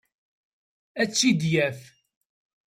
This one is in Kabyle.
Ad tt-id-yaf.